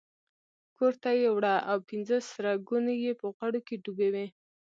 کورته یې وړه او پنځه سره ګوني یې په غوړو کې ډوبې وې.